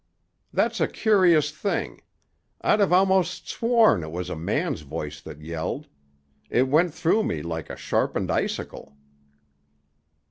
"That's a curious thing. I'd have almost sworn it was a man's voice that yelled. It went through me like a sharpened icicle."